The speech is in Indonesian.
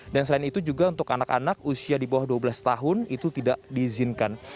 dan selain itu juga untuk anak anak usia di bawah dua belas tahun itu tidak diizinkan